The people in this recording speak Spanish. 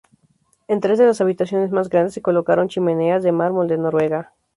En tres de las habitaciones más grandes se colocaron chimeneas de mármol de Noruega.